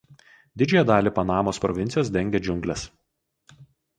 Didžiąją dalį Panamos provincijos dengia džiunglės.